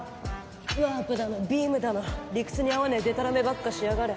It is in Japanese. ワープだのビームだの理屈に合わねえでたらめばっかしやがる。